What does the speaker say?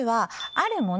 あるもの？